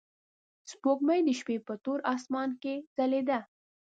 سپوږمۍ د شپې په تور اسمان کې ځلېده.